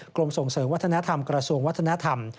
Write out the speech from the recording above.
กรมส่งเสริมวัฒนธรรมกระทรวงวัฒนธรรม